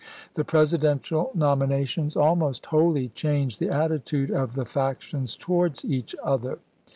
The Presidential nominations almost wholly changed the attitude of the factions towards each other.